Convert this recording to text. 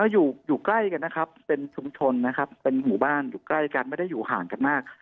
อยู่ใกล้กันนะครับเป็นชุมชนนะครับเป็นหมู่บ้านอยู่ใกล้กันไม่ได้อยู่ห่างกันมาก